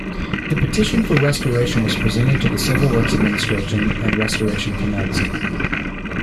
The petition for restoration was presented to the Civil Works Administration and restoration commenced.